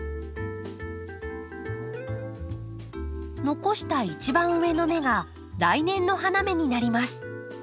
残した一番上の芽が来年の花芽になります。